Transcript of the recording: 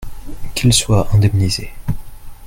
qu'il soit indemnisé.